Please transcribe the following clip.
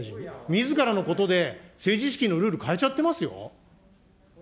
みずからのことで政治資金のルール変えちゃってますよ。